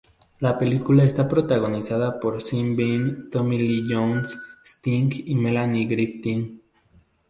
La película está protagonizada por Sean Bean, Tommy Lee Jones, Sting y Melanie Griffith.